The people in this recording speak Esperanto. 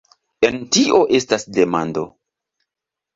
En tio estas demando!